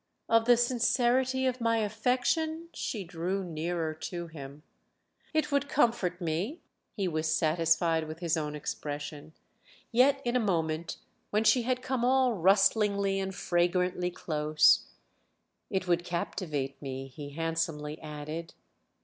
"Of the sincerity of my affection?"—she drew nearer to him. "It would comfort me"—he was satisfied with his own expression. Yet in a moment, when she had come all rustlingly and fragrantly close, "It would captivate me," he handsomely added.